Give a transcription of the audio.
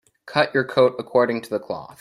Cut your coat according to the cloth.